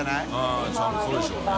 ◆舛そうでしょうね。